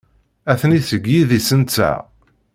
Atni seg yidis-nteɣ.